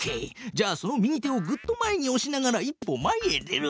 じゃあその右手をぐっと前におしながら一歩前へ出る。